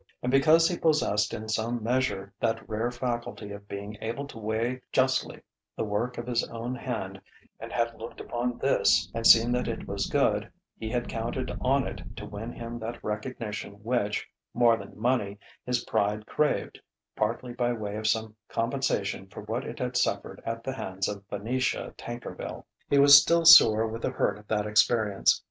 And because he possessed in some measure that rare faculty of being able to weigh justly the work of his own hand, and had looked upon this and seen that it was good, he had counted on it to win him that recognition which, more than money, his pride craved partly by way of some compensation for what it had suffered at the hands of Venetia Tankerville. He was still sore with the hurt of that experience.